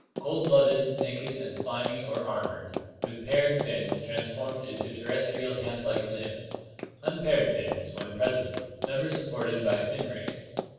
Cold blooded, naked and slimy or armored, with paired fins transformed into terrestrial hand like limbs; unpaired fins, when present, never supported by fin rays.